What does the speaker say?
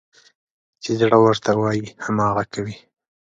چې زړه ورته وايي، هماغه کوي.